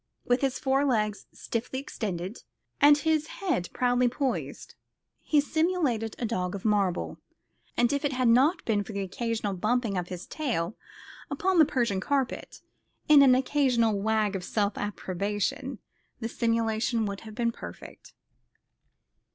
With his forelegs stiffly extended, and his head proudly poised, he simulated a dog of marble; and if it had not been for the occasional bumping of his tail upon the Persian carpet, in an irresistible wag of self approbation, the simulation would have been perfect.